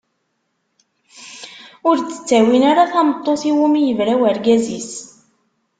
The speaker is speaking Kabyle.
Ur d-ttawin ara tameṭṭut iwumi i yebra urgaz-is.